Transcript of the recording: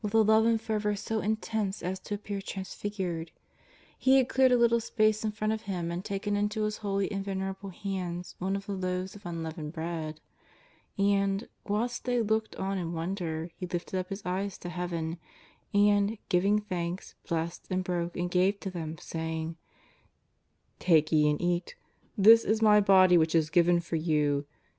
a lOve and fervour so intense as to appear transfigured. He had cleared a little space in front of Him and taken into His holy and venerable hands one of the loaves of unleavened bread. And, whilst they looked on in wonder, He lifted up His eyes to Heaven, and, giving thanks, blessed, and broke, and gave to them, saying: ^^ Take ye and eat, this is My Body which is given for you.